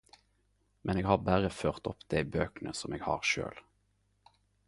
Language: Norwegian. Men eg har berre ført opp dei bøkene som eg har sjølv.